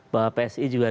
bahwa psi juga di